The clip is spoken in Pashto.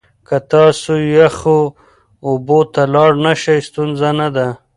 که تاسو یخو اوبو ته لاړ نشئ، ستونزه نه ده.